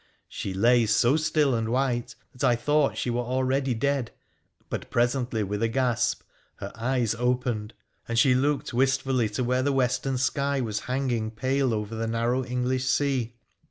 She lay so still and white that I thought she were already dead ; but presently, with a gasp, her eyes opened, and she looked wistfully to where the western sky was hanging pale over the narrow English sea.